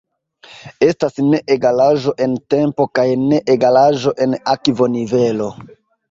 Estas ne-egalaĵo en tempo kaj ne-egalaĵo en akvonivelo.